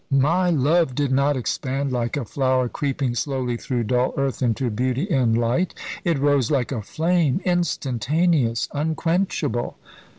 My love did not expand like a flower creeping slowly through dull earth into beauty and light. It rose like a flame, instantaneous, unquenchable.